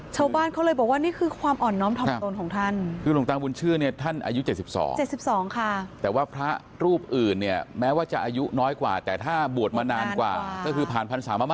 ชาวบ้านเขาเลยบอกว่านี่คือความอ่ออนน้อมธรรตนทรงของท่าน